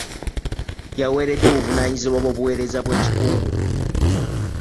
Yaweereddwa obuvunaanyizibwa bw'obuweereza bw'ekikugu.